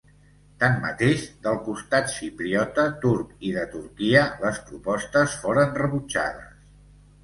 Tanmateix, del costat xipriota turc i de Turquia, les propostes foren rebutjades.